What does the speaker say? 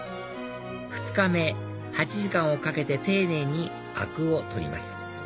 ２日目８時間をかけて丁寧にアクを取ります